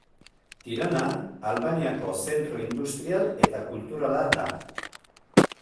Tirana, Albaniako zentro industrial eta kulturala da.